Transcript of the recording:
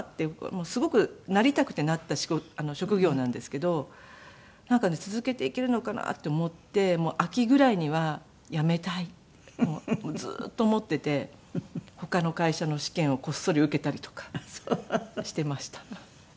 すごくなりたくてなった職業なんですけどなんかね続けていけるのかなって思ってもう秋ぐらいには辞めたいってずっと思っていて他の会社の試験をこっそり受けたりとかしていました。